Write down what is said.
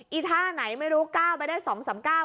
อีท่าไหนไม่รู้ก้าวไปได้สองสามเก้า